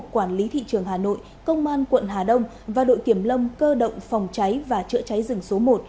quản lý thị trường hà nội công an quận hà đông và đội kiểm lâm cơ động phòng cháy và chữa cháy rừng số một